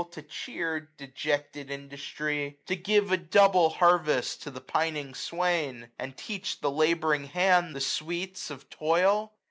To cheer dejected industry ? to give A double harvest to the pining swain ? And teach the laboring hand the sweets of toil